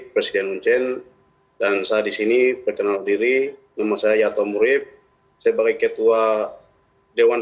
presiden uncen dan saya disini perkenal diri nama saya yato murib sebagai ketua dewan